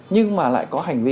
nhưng mà lại có hành vi